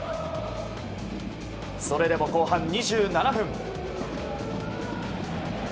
それでも後半２７分。